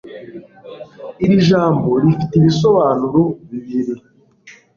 Iri jambo rifite ibisobanuro bibiri